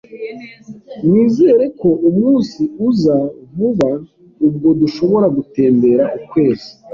Nizere ko umunsi uza vuba ubwo dushobora gutembera ukwezi.